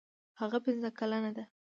هغه پنځه کلنه ده.